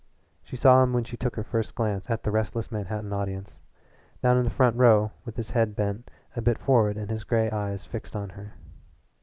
She saw him when she took her first glance at the restless Manhattan audience down in the front row with his head bent a bit forward and his gray eyes fixed on her.